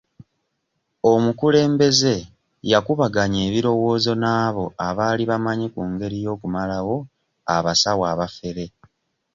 Omukulembeze yakubaganya ebirowoozo n'abo abaali bamanyi ku ngeri y'okumalawo abasawo abafere.